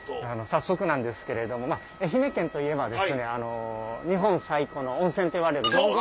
早速なんですけれども愛媛県といえば日本最古の温泉といわれる道後温泉。